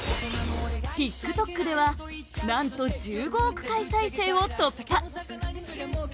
ＴｉｋＴｏｋでは何と１５億回再生を突破！